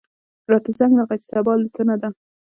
راته زنګ راغی چې صبا الوتنه ده.